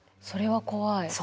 それは怖い。